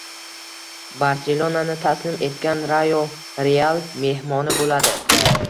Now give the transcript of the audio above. “Barselona”ni taslim etgan “Rayo” “Real” mehmoni bo‘ladi